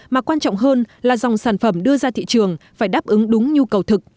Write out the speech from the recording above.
mà quan trọng hơn là dòng sản phẩm đưa ra thị trường phải đáp ứng đúng nhu cầu thực